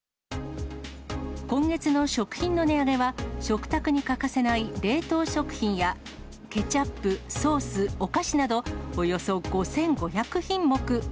今月の食品の値上げは、食卓に欠かせない冷凍食品やケチャップ、ソース、お菓子など、およそ５５００品目。